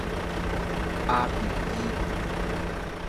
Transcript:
阿比伊。